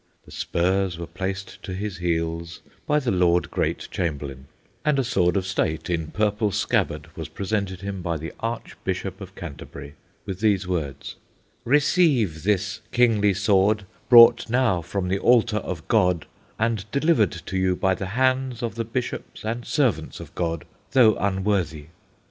The spurs were placed to his heels by the Lord Great Chamberlain, and a sword of state, in purple scabbard, was presented him by the Archbishop of Canterbury, with these words:— Receive this kingly sword brought now from the altar of God, and delivered to you by the hands of the bishops and servants of God, though unworthy.